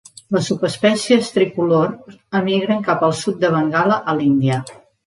Les subespècies tricolor emigren cap al sud de Bengala a l'Índia.